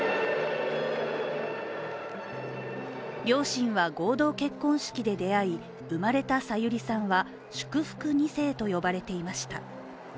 両親は合同結婚式で出会い、生まれた、さゆりさんは祝福２世と呼ばれていました。